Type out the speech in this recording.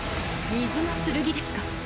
水の剣ですか。